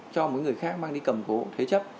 cho một người khác mang đi cầm cố thế chấp